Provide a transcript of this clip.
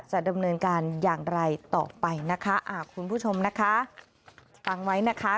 จะดำเนินการอย่างไรต่อไปนะคะอ่าคุณผู้ชมนะคะฟังไว้นะคะ